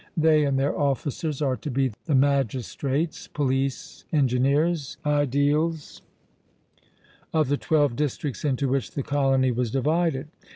They and their officers are to be the magistrates, police, engineers, aediles, of the twelve districts into which the colony was divided.